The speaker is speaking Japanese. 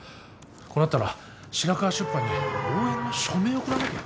こうなったら白河出版に応援の署名を送らなきゃ。